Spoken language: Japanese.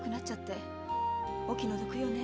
お気の毒よね。